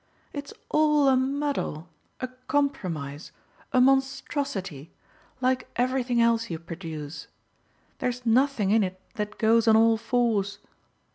It's all a muddle, a compromise, a monstrosity, like everything else you produce; there's nothing in it that goes on all fours.